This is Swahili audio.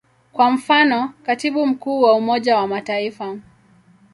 Kwa mfano, Katibu Mkuu wa Umoja wa Mataifa.